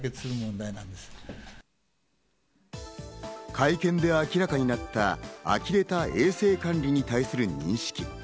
会見で明らかになった、呆れた衛生観念に対する認識。